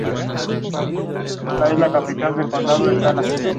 Era la la novena hija de una familia campesina ucraniana.